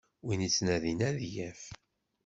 Win ittnadin ad yaf.